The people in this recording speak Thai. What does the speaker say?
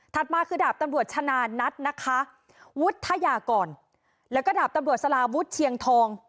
มาคือดาบตำรวจชนะนัทนะคะวุฒยากรแล้วก็ดาบตำรวจสลาวุฒิเชียงทอง